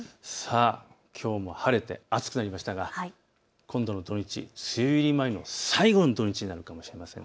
きょうも晴れて暑くなりましたが今度の土日、梅雨入り前の最後の土日になるかもしれません。